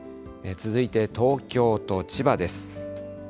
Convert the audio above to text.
続いて東京と千葉です。